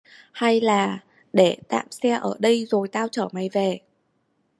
hay là để tamj xe ở đây rồi tao chở mày về